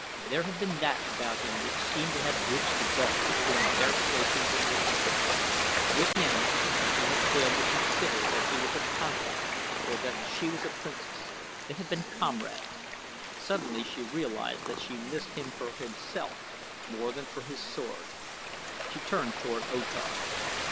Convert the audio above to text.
There had been that about him which seemed to have bridged the gulf between their stations in life. With him she had failed to consider that he was a panthan or that she was a princess they had been comrades. Suddenly she realized that she missed him for himself more than for his sword. She turned toward O Tar.